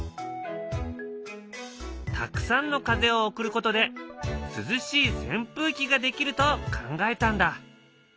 たくさんの風を送ることで涼しいせん風機ができると考えたんだ。